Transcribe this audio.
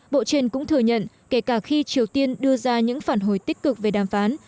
bộ trên cũng thừa nhận kể cả khi triều tiên đưa ra những phản hồi tích cực về đàm phán